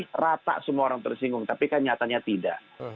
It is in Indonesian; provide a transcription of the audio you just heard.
tapi rata semua orang tersinggung tapi kan nyatanya tidak